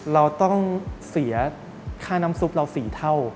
เราต้องเสียค่าน้ำซุปเรา๔เท่า